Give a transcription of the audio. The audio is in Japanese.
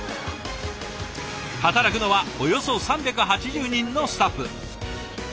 働くのはおよそ３８０人のスタッフ。